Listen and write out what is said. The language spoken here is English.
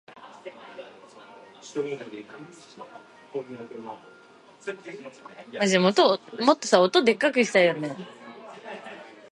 There are derivative words that give the text completeness, fullness and theatrical color.